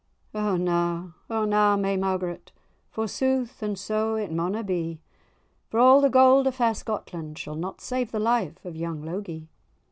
_"] "O na, O na, may Margaret, Forsooth, and so it mauna be; For a' the gowd o' fair Scotland Shall not save the life of young Logie."